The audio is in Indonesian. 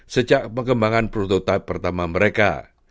sejak pengembangan prototipe pertama mereka